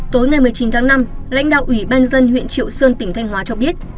tối ngày một mươi chín tháng năm lãnh đạo ủy ban dân huyện triệu sơn tỉnh thanh hóa cho biết